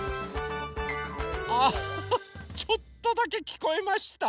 あちょっとだけきこえました。